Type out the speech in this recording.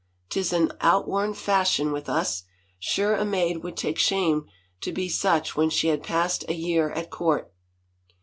Tis an outworn fashion with us — sure a maid would take shame to be such when she had passed a year at court!"